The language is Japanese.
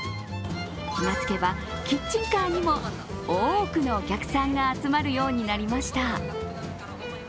気が付けばキッチンカーにも多くのお客さんが集まるようになりました。